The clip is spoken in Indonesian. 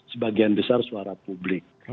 sebagian besar suara publik